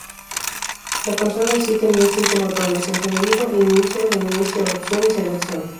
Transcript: La consola en sí tenía cinco botones: encendido, inicio, reinicio, opción y selección.